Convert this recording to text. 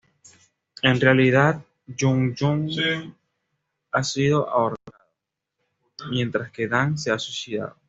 En realidad, Jung Yoon ha sido ahorcado, mientras que Dam se ha suicidado.